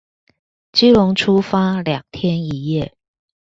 基隆出發兩天一夜